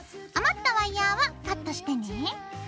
余ったワイヤーはカットしてね。